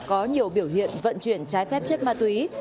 có nhiều biểu hiện vận chuyển trái phép chất ma túy